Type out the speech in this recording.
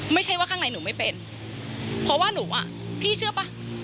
ไม่ใช่ว่าข้างในหนูไม่เป็นเพราะว่าหนูอ่ะพี่เชื่อป่ะ